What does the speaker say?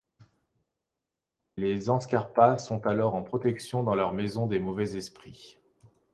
Les Zanskarpas sont alors en protection dans leur maison des mauvais esprits.